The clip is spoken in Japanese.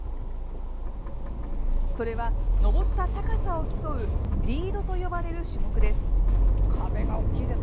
それは、登った高さを競う「リード」と呼ばれる種目です。